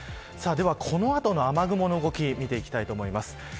この後の雨雲の動きを見ていきます。